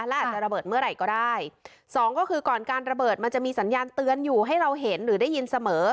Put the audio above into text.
และอาจจะระเบิดเมื่อไหร่ก็ได้สองก็คือก่อนการระเบิดมันจะมีสัญญาณเตือนอยู่ให้เราเห็นหรือได้ยินเสมอ